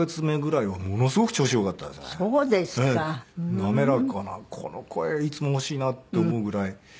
滑らかなこの声いつも欲しいなと思うぐらい。